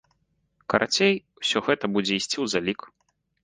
Карацей, усё гэта будзе ісці ў залік.